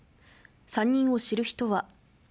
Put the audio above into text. ３人を知る人は。